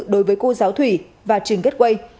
đối với cô giáo thủy và trường gatway